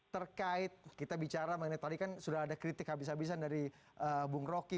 terkait kita bicara mengenai tadi kan sudah ada kritik habis habisan dari bung rocky